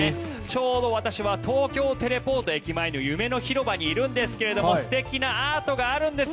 ちょうど私は東京テレポート駅前にある広場に来ていますがたくさんアートがあるんです。